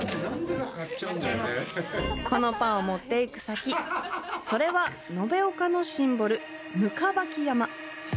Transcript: このパンを持っていく先、それは延岡のシンボル、行縢山。